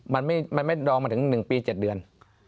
มันไม่ดองมาถึง๑ปี๗เดือน